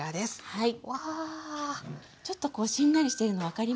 はい。